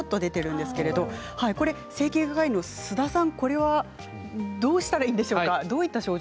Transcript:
整形外科医の須田さん、これはどうしたら、いいんでしょうか。